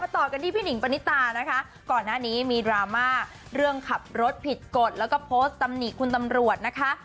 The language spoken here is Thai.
ต่อกันที่พี่หิงปณิตานะคะก่อนหน้านี้มีดราม่าเรื่องขับรถผิดกฎแล้วก็โพสต์ตำหนิคุณตำรวจนะคะ